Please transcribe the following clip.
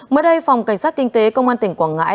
mới đây phòng cảnh sát kinh tế công an tỉnh quảng ngãi